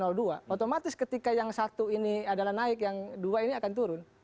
otomatis ketika yang satu ini adalah naik yang dua ini akan turun